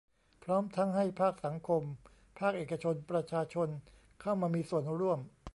พร้อมทั้งให้ภาคสังคม ภาคเอกชน ประชาชนเข้ามามีส่วนร่วม